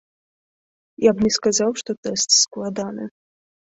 Я б не сказаў, што тэст складаны.